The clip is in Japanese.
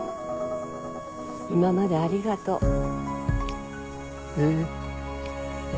今までありがとう。え？